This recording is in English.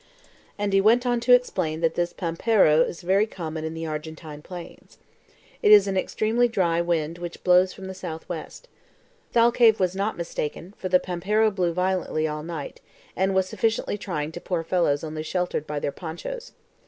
And he went on to explain that this PAMPERO is very common in the Argentine plains. It is an extremely dry wind which blows from the southwest. Thalcave was not mistaken, for the PAMPERO blew violently all night, and was sufficiently trying to poor fellows only sheltered by their ponchos.